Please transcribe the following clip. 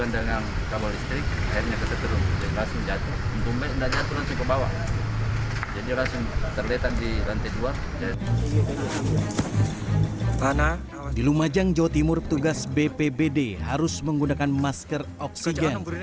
tanah di lumajang jawa timur tugas bpbd harus menggunakan masker oksigen